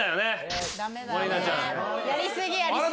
やり過ぎやり過ぎ。